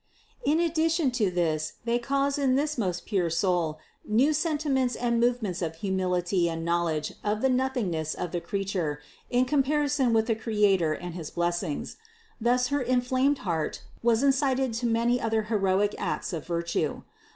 In ad dition to this they caused in this most pure soul new senti ments and movements of humility and knowledge of the nothingness of the creature in comparison with the Crea tor and his blessings. Thus her inflamed heart was in cited to many other heroic acts of virtue.